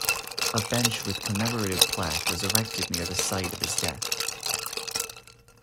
A bench with commemorative plaque was erected near the site of his death.